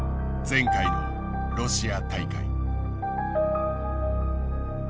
前回のロシア大会。